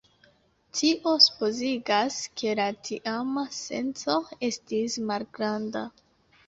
Tio supozigas, ke la tiama censo estis malgranda.